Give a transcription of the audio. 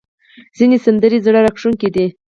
ځینې سندرې زړه راښکونکې دي.